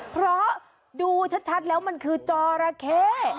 เพราะดูชัดแล้วมันคือจอระเข้